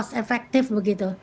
lebih efektif begitu